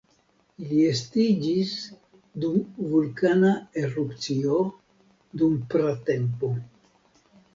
Ili estiĝis dum vulkana erupcio dum pratempo.